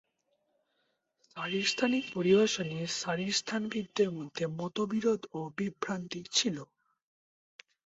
শারীরস্থানিক পরিভাষা নিয়ে শারীরস্থানবিদদের মধ্যে মতবিরোধ ও বিভ্রান্তি ছিল।